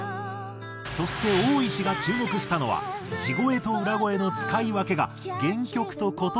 そしてオーイシが注目したのは地声と裏声の使い分けが原曲と異なる部分。